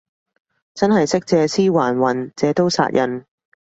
真係識借屍還魂，借刀殺人